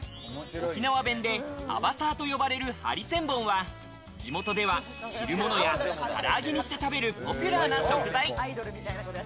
沖縄弁でアバサーと呼ばれるハリセンボンは、地元では汁物や、から揚げにして食べるポピュラーな食材。